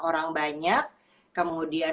orang banyak kemudian